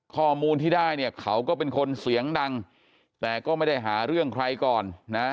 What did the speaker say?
ข้อมูลที่ได้เนี่ยเขาก็เป็นคนเสียงดังแต่ก็ไม่ได้หาเรื่องใครก่อนนะ